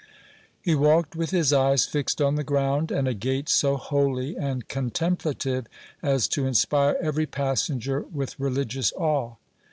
He walked with his eyes fixed on the ground, and a gait so holy and contemplative, as to inspire every passenger with religious awe.